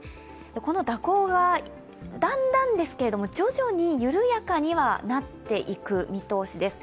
この蛇行がだんだんですけれども、徐々に緩やかになっていく見通しです。